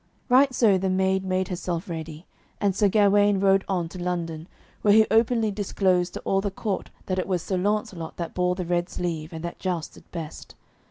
Right so the maid made herself ready, and Sir Gawaine rode on to London, where he openly disclosed to all the court that it was Sir Launcelot that bore the red sleeve, and that jousted best.